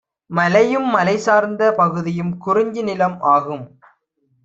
மலையும் மலை சார்ந்த பகுதியும் 'குறிஞ்சி நிலம்' ஆகும்.